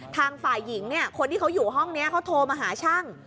ทางฝ่ายหญิงเนี่ยคนที่เขาอยู่ห้องนี้เขาโทรมาหาช่าง